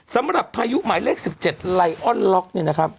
สำหรับพายุหมายเลข๑๗ไลอนล็อกเนี่ยนะครับ